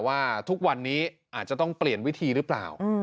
ว่าทุกวันนี้อาจจะต้องเปลี่ยนวิธีหรือเปล่า